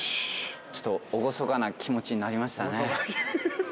ちょっと厳かな気持ちになりましたね。